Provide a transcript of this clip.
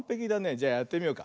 じゃやってみようか。